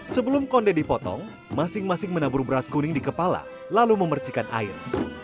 sebelum konde dipotong masing masing menabur beras kuning di kepala lalu memercikan air